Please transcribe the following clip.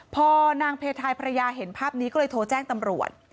พอนางเพทายภรรยาเห็นภาพนี้ก็เลยโทรแจ้งตำรวจ